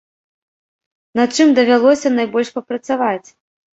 Над чым давялося найбольш папрацаваць?